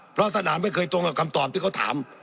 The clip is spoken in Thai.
เพราะท่านอ่านไม่เคยตรงกับคำตอบที่เขาถาม